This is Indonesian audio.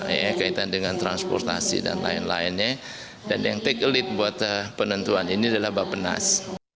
ya kaitan dengan transportasi dan lain lainnya dan yang take aleate buat penentuan ini adalah bapenas